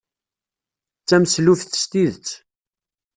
D tameslubt s tidet.